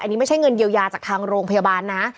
อันนี้ไม่ใช่เงินเยียวยาจากทางโรงพยาบาลนะ